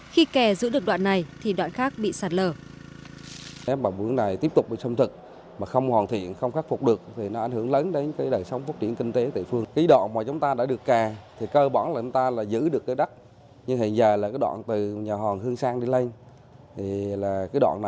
khi kè giữ được đoạn này thì đoạn khác bị sạt lở